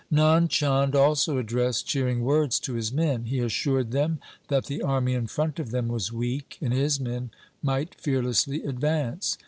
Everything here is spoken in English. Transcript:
Nand Chand also addressed cheering words to his men. He assured them that the army in front of them was weak, and his men might fearlessly advance.